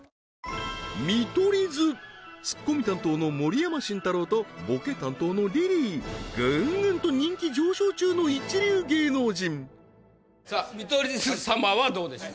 見取り図ツッコミ担当の盛山晋太郎とボケ担当のリリーぐんぐんと人気上昇中の一流芸能人さあ見取り図様はどうでしょう？